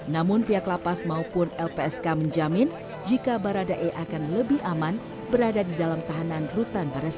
namun pihak lapa maupun lpsk menjamin jika barada e akan lebih aman berada di dalam tahanan rutan barres